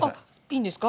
いいんですか？